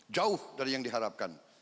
jauh dari yang diharapkan